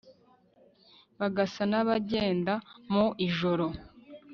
bagasa n'abagenda mu ijoro